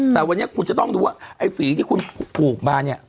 แต่วันนี้คุณจะต้องดูว่าไอ้ฝีที่คุณปลูกมาเนี่ย